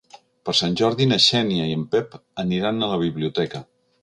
Per Sant Jordi na Xènia i en Pep aniran a la biblioteca.